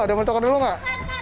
ada yang mau di tukar dulu gak